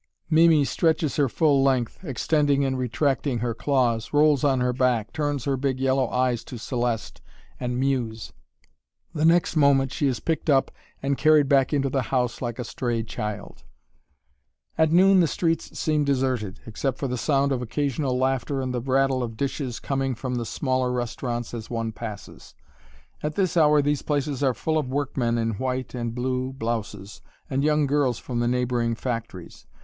"Mimi" stretches her full length, extending and retracting her claws, rolls on her back, turns her big yellow eyes to Céleste and mews. The next moment she is picked up and carried back into the house like a stray child. At noon the streets seem deserted, except for the sound of occasional laughter and the rattle of dishes coming from the smaller restaurants as one passes. At this hour these places are full of workmen in white and blue blouses, and young girls from the neighboring factories.